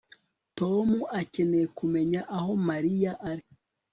Tom akeneye kumenya aho Mariya ari